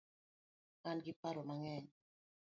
An gi paro mangeny